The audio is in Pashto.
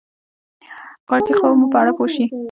خارجي قواوو په اړه پوه شي.